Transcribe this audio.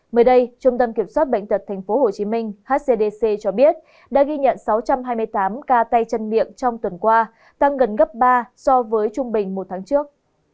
bộ y tế cho biết đã ghi nhận sáu trăm hai mươi tám ca tay chân miệng trong tuần qua tăng gần gấp ba so với trung bình một tháng trước